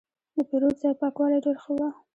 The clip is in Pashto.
د پیرود ځای پاکوالی ډېر ښه و.